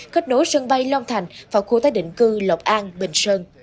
kết nối sân bay long thành và khu tái định cư lộc an bình sơn